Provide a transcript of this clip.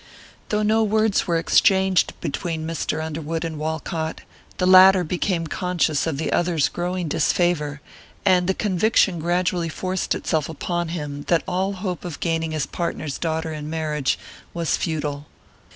Though no words were exchanged between Mr. Underwood and Walcott, the latter became conscious of the other's growing disfavor, and the conviction gradually forced itself upon him that all hope of gaining his partner's daughter in marriage was futile.